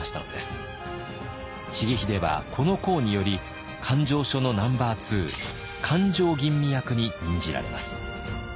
各地の重秀はこの功により勘定所のナンバーツー勘定吟味役に任じられます。